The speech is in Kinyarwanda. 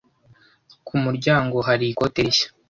Ku muryango hari ikote rishya.